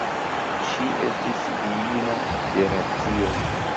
Ŝi estis diino de racio.